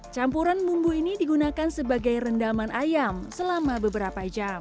campuran bumbu ini digunakan sebagai rendaman ayam selama beberapa jam